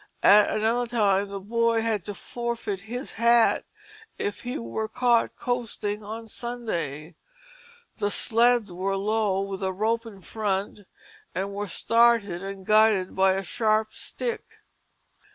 At another time the boy had to forfeit his hat if he were caught coasting on Sunday. The sleds were low, with a rope in front, and were started and guided by a sharp stick.